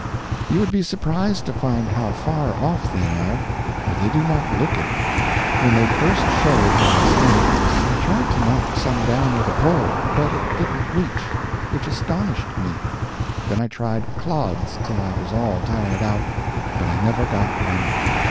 You would be surprised to find how far off they are, for they do not look it. When they first showed, last night, I tried to knock some down with a pole, but it didn't reach, which astonished me; then I tried clods till I was all tired out, but I never got one.